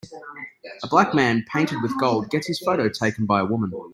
A black man painted with gold gets his photo taken by a woman.